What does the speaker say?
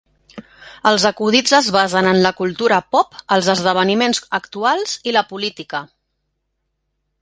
Els acudits es basen en la cultura pop, els esdeveniments actuals i la política.